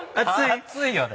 熱いよね。